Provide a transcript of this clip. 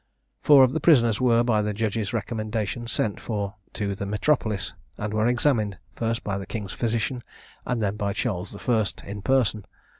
Four of the prisoners were, by the judge's recommendation, sent for to the metropolis, and were examined, first by the king's physician, and then by Charles the First, in person.